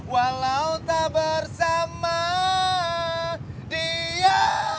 walau tak bersama dia